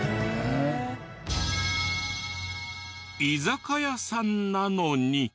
居酒屋さんなのに。